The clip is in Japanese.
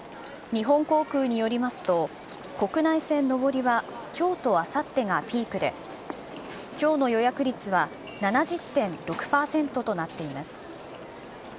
日本航空によりますと、国内線上りはきょうとあさってがピークで、きょうの予約率は７０．６％となっています。